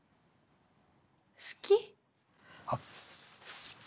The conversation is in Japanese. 好き？あっ。